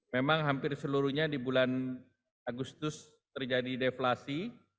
memang hampir seluruhnya di bulan agustus terjadi deflasi